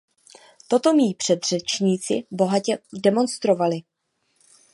Toto mí předřečníci bohatě demonstrovali.